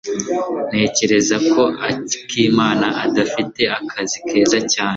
Ntekereza ko Akimana adafite akazi keza cyane.